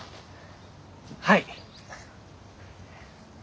はい！